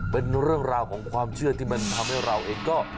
เป็นเรื่องราวของความเชื่อที่มันทำให้เราเองก็